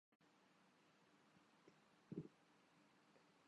کسی سے پیار کرنا اور کسی کا پیار ہو جانا سب سے بڑی خوشیاں ہیں۔